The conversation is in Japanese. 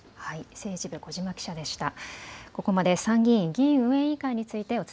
政治部、小嶋記者でした。